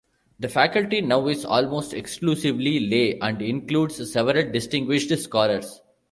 The faculty now is almost exclusively lay and includes several distinguished scholars.